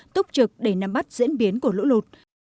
túc trực để nắm bắt diễn biến của lũ lụt